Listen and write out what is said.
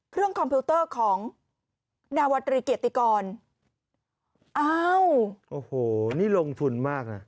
คอมพิวเตอร์ของนาวตรีเกียรติกรอ้าวโอ้โหนี่ลงทุนมากน่ะ